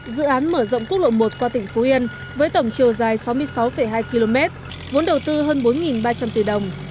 dự án mở rộng quốc lộ một qua tỉnh phú yên với tổng chiều dài sáu mươi sáu hai km vốn đầu tư hơn bốn ba trăm linh tỷ đồng